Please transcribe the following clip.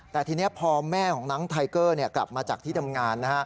แต่ทีนี้พอแม่ของน้องไทเกอร์กลับมาจากที่ทำงาน